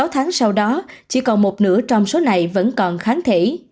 sáu tháng sau đó chỉ còn một nửa trong số này vẫn còn kháng thể